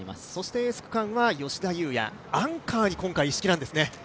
エース区間は吉田祐也、アンカーに今回、一色なんですね。